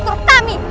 jangan mengatur kami